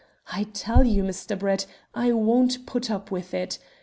I tell you, Mr. Brett, I won't put up with it.